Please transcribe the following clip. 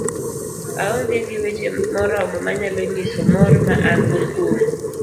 aong'e gi weche moromo manyalo nyiso mor ma an go kuom